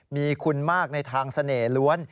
มีคุณมากในทางเสน่ห์ล้วน